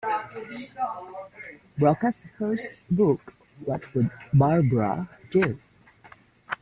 Brockes's first book What Would Barbra Do?